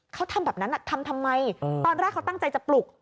เขาทำแบบนั้นทำทำไมตอนแรกเขาตั้งใจจะปลุก